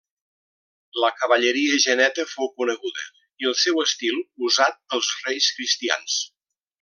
La cavalleria geneta fou coneguda i el seu estil usat pels reis cristians.